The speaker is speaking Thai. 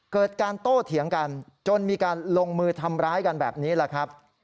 เกิดการโต้เถียงกันจนมีการลงมือทำร้ายกันแบบนี้แหละครับ